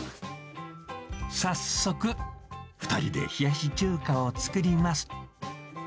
早速、２人で冷やし中華を作ります。